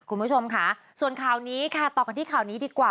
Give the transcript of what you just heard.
คุณผู้ชมค่ะส่วนข่าวนี้ค่ะต่อกันที่ข่าวนี้ดีกว่า